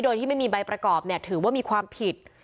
โดยที่ไม่มีใบประกอบถือว่ามีความผิด